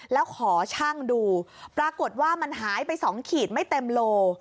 แล้วขอช่างดูปรากฏว่ามันหายไป๒ขีดไม่เต็มโล